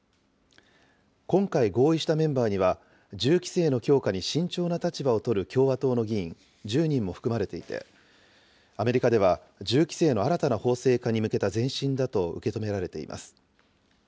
今回、合意したメンバーには、銃規制の強化に慎重な立場を取る共和党の議員１０人も含まれていて、アメリカでは、銃規制の新たな法制化に向けた前進だと受け止められています。